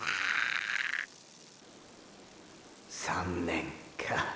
３年か。